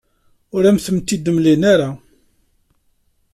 Ur am-tent-id-mlan ara.